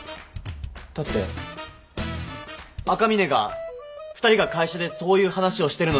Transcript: だって赤嶺が２人が会社でそういう話をしてるの見たって。